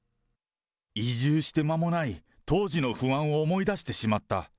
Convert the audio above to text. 移住して間もない当時の不安を思い出してしまった。